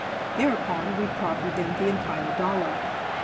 Thereupon we proffered them the entire dollar.